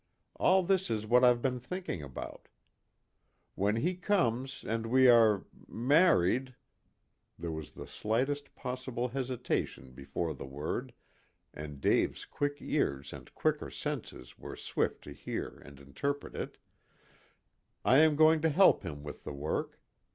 All this is what I've been thinking out. When he comes, and we are married," there was the slightest possible hesitation before the word, and Dave's quick ears and quicker senses were swift to hear and interpret it, "I am going to help him with the work.